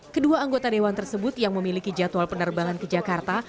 kedua anggota dewan tersebut yang memiliki jadwal penerbangan ke jakarta